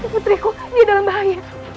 putriku dia dalam bahaya